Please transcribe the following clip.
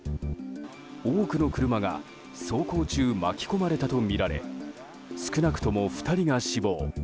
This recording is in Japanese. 多くの車が走行中、巻き込まれたとみられ少なくとも２人が死亡。